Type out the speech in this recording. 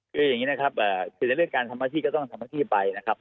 คืออย่างนี้นะครับในเรื่องการทำอาทิตย์ก็ต้องทำอาทิตย์ไปนะครับ